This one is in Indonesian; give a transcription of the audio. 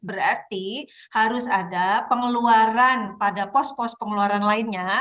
berarti harus ada pengeluaran pada pos pos pengeluaran lainnya